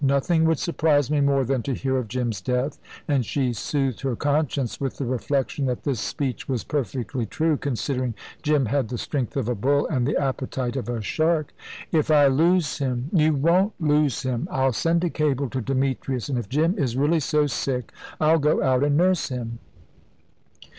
Nothing would surprise me more than to hear of Jim's death"; and she soothed her conscience with the reflection that this speech was perfectly true, considering Jim had the strength of a bull and the appetite of a shark. "If I lose him " "You won't lose him. I'll send a cable to Demetrius, and if Jim is really so sick, I'll go out and nurse him."